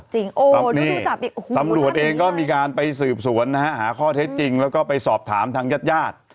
ตำรวจเองก็มีการไปสืบสวนนะฮะหาข้อเท็จจริงแล้วก็ไปสอบถามทางญาติญาติ